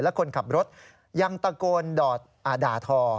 และคนขับรถยังตะโกนด่าทอ